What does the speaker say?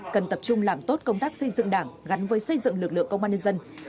cần tập trung làm tốt công tác xây dựng đảng gắn với xây dựng lực lượng công an nhân dân